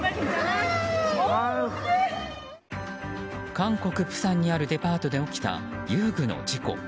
韓国・釜山にあるデパートで起きた、遊具の事故。